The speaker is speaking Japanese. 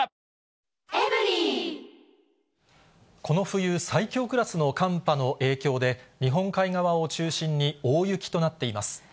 この冬、最強クラスの寒波の影響で、日本海側を中心に大雪となっています。